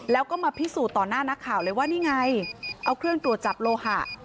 แล้วก็มาพิสูจน์ต่อหน้านักข่าวเลยว่านี่ไงเอาเครื่องตรวจจับโลหะ